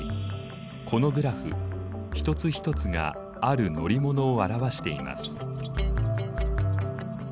このグラフ一つ一つがある乗り物を表しています。